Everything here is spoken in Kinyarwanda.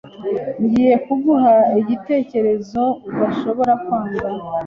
Ngiye kuguha igitekerezo udashobora kwanga.